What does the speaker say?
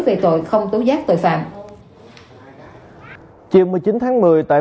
về tội hủy hoại tài sản trịnh thanh tú nguyễn minh tới